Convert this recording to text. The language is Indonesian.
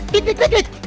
dik dik dik dik